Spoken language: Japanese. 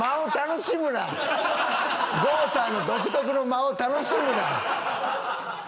郷さんの独特の間を楽しむな。